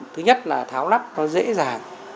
thứ nhất là tháo nắp nó dễ dàng